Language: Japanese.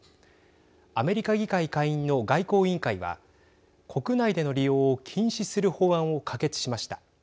アメリカ議会下院の外交委員会は国内での利用を禁止する法案を可決しました。